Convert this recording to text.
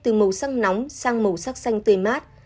từ màu sắc nóng sang màu sắc xanh tươi mát